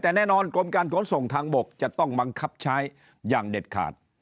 แต่แน่นอนกรมการขนส่งทางบกจะต้องบังคับใช้อย่างเด็ดขาด